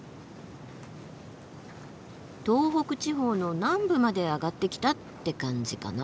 東北地方の南部まで上がってきたって感じかな。